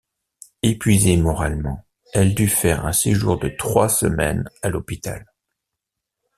Épuisée moralement, elle dut faire un séjour de trois semaines à l'hôpital.